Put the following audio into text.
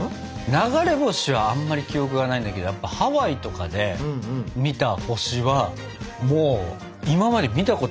流れ星はあんまり記憶がないんだけどハワイとかで見た星はもう今まで見たことない星の数だったし。